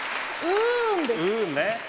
「うん」です。